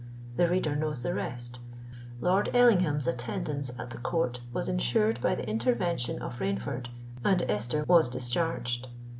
The reader knows the rest: Lord Ellingham's attendance at the court was ensured by the intervention of Rainford, and Esther was discharged.